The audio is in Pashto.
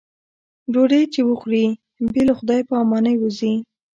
ډوډۍ چې وخوري بې له خدای په امانۍ وځي.